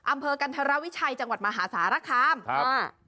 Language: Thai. อำเภอกันธรวิชัยจังหวัดมหาสารคามครับ